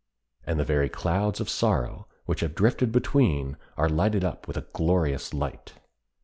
And the very clouds of sorrow which have drifted between are lighted up with a glorious light.